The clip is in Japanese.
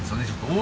「お！」